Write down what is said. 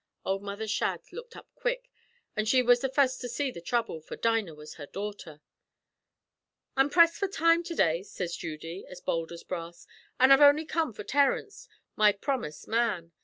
Ould Mother Shadd looked up quick, an' she was the fust to see the throuble, for Dinah was her daughter. "'I'm pressed for time to day,' sez Judy, as bould as brass; 'an' I've only come for Terence my promust man.